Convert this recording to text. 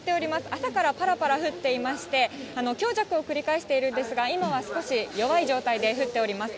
朝からぱらぱら降っていまして、強弱を繰り返しているんですけど、今は少し弱い状態で降っております。